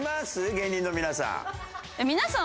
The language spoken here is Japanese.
芸人の皆さん」。